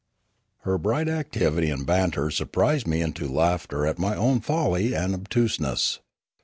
Her bright activity and banter surprised me into laughter at my own folly and obtuseness.